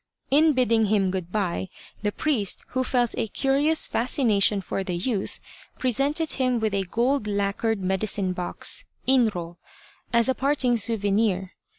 In bidding him good bye, the priest, who felt a curious fascination for the youth, presented him with a gold lacquered medicine box (inro) as a parting souvenir.